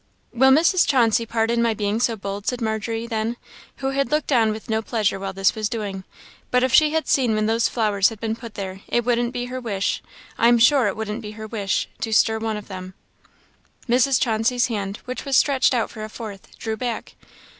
"Will Mrs. Chauncey pardon my being so bold," said Margery then, who had looked on with no pleasure while this was doing, "but if she had seen when those flowers had been put there, it wouldn't be her wish, I am sure it wouldn't be her wish, to stir one of them." Mrs. Chauncey's hand, which was stretched out for a fourth, drew back.